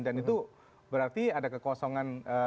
dan itu berarti ada kekosongan